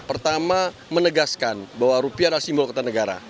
pertama menegaskan bahwa rupiah adalah simbol kertanegara